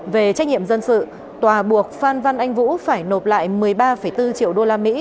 về trách nhiệm dân sự tòa buộc phan văn anh vũ phải nộp lại một mươi ba bốn triệu đô la mỹ